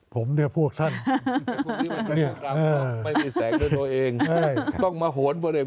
ผมเนี่ยพวกท่านไม่มีแสงตัวตัวเองต้องมาโหนตัวเอง